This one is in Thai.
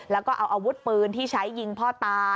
แล้วก็เอาอาวุธปืนที่ใช้ยิงพ่อตา